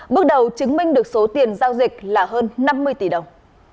bước đầu chứng minh được số tiền giao dịch là hơn năm mươi tỷ đồng